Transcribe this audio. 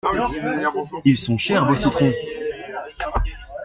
Ils sont chers vos citrons.